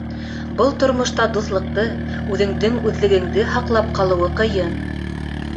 Был тормошта дуҫлыҡты, үҙендең үҙлегеңде һаҡлап ҡалыуы ҡыйын.